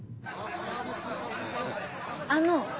あの。